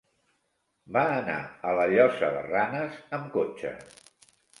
Va anar a la Llosa de Ranes amb cotxe.